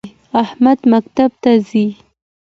احمد مکتب ته ځی